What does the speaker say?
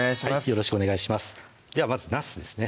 よろしくお願いしますではまずなすですね